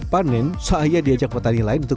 panen saya diajak petani lain untuk